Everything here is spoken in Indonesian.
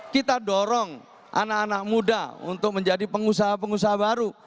kita dorong anak anak muda untuk menjadi pengusaha pengusaha baru